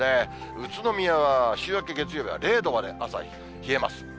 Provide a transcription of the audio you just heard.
宇都宮は週明け月曜日は０度まで朝冷えます。